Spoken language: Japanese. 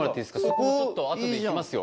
そこちょっと後で行きますよ。